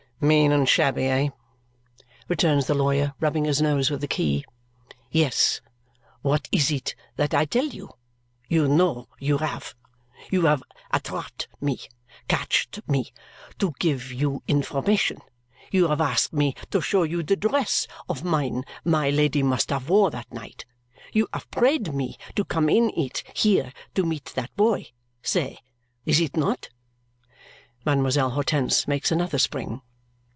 "Mean and shabby, eh?" returns the lawyer, rubbing his nose with the key. "Yes. What is it that I tell you? You know you have. You have attrapped me catched me to give you information; you have asked me to show you the dress of mine my Lady must have wore that night, you have prayed me to come in it here to meet that boy. Say! Is it not?" Mademoiselle Hortense makes another spring.